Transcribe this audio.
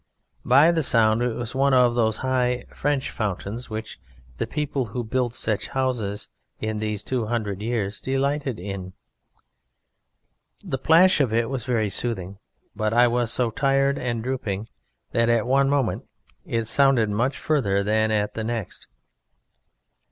By the sound it was one of those high French fountains which the people who built such houses as these two hundred years ago delighted in. The plash of it was very soothing, but I was so tired and drooping that at one moment it sounded much further than at the next.